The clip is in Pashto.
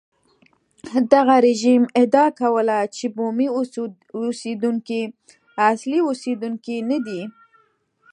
دغه رژیم ادعا کوله چې بومي اوسېدونکي اصلي اوسېدونکي نه دي.